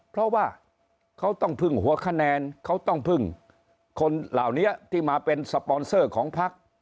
เพราะว่าเขาต้องพึ่งหัวคะแนนเขาต้องพึ่งคนเหล่านี้ที่มาเป็นสปอนเซอร์ของพัก